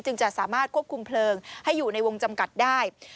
จะสามารถควบคุมเพลิงให้อยู่ในวงจำกัดได้